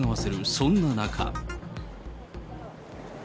そんな中。